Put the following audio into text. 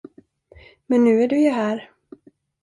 Men nu är du ju här.